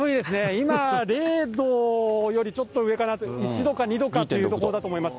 今、０度よりちょっと上かなと、１度か２度かというところだと思います。